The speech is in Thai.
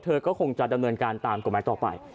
เธอก็คงจะดำเนินการตามกฎหมายต่อไป